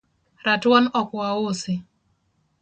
Ratuon ok wausi